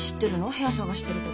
部屋探してること。